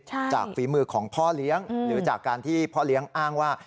จากฝีมือของพ่อเลี้ยงหรือจากการที่พ่อเลี้ยงอ้างว่า